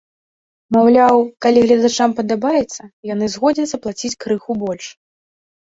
Маўляў, калі гледачам падабаецца, яны згодзяцца плаціць крыху больш.